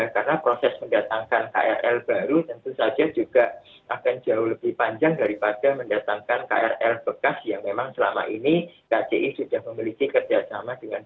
karena proses mendatangkan krl baru tentu saja juga akan jauh lebih panjang daripada mendatangkan krl bekas yang memang selama ini kci sudah memiliki kerjasama